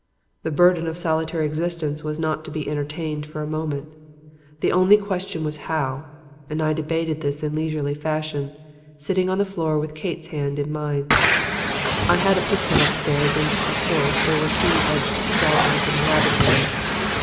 The burden of solitary existence was not to be entertained for a moment. The only question was how, and I debated this in leisurely fashion, sitting on the floor with Kate's hand in mine. I had a pistol upstairs and, of course, there were keen edged scalpels in the laboratory.